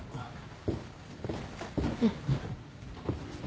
うん。